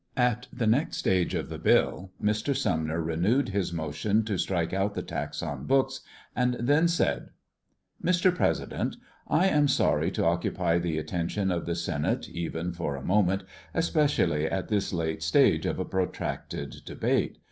At the next stage of the bill Mr. Sumner renewed his motion to strike out the tax on books, and then said : ŌĆö Mr. President, ŌĆö I am sorry to occupy the attention of the Senate, even for a moment, especially at this late stage of a protracted debate.